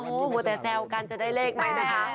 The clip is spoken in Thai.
โอ้โหมัวแต่แซวกันจะได้เลขไหมนะคะ